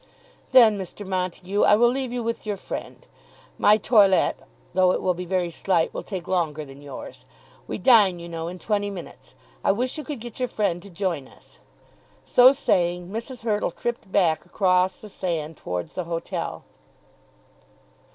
"Then, Mr. Montague, I will leave you with your friend. My toilet, though it will be very slight, will take longer than yours. We dine you know in twenty minutes. I wish you could get your friend to join us." So saying, Mrs. Hurtle tripped back across the sand towards the hotel.